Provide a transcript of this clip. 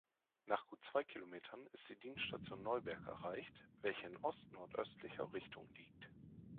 Nach gut zwei Kilometern ist die Dienststation Neuberg erreicht, welche in ost-nordöstlicher Richtung liegt.